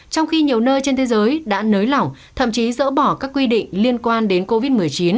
trong khi nhiều nơi trên thế giới đã nới lỏng thậm chí dỡ bỏ các quy định liên quan đến covid một mươi chín